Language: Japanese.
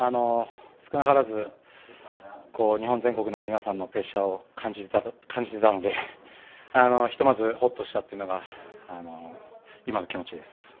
少なからず、日本全国の皆さんのプレッシャーを感じてたので、ひとまずホッとしたっていうのが今の気持ちです。